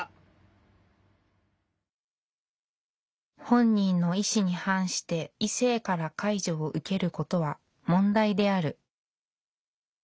「本人の意志に反して異性から介助を受けることは問題である」。